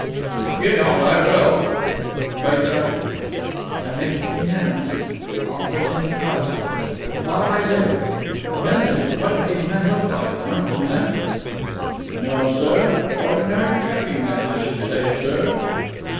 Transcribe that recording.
"If you don't, I will!" Cleigh chuckled. "That makes it unanimous. I'll put it in the codicil. But while I live! Benson, what did these men look like? One of them limp?" "No, sir. Ordinary trucking men, I should say, sir."